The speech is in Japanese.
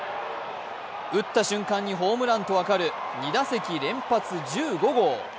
打った瞬間にホームランと分かる２打席連続１５号！